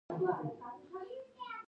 دا حاکم سیاسي رژیمونه دي.